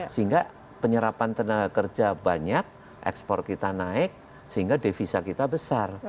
sehingga penyerapan tenaga kerja banyak ekspor kita naik sehingga devisa kita besar